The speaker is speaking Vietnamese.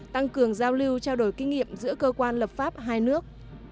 tăng cường giao lưu trao đổi kinh nghiệm giữa cơ quan lập pháp hai nước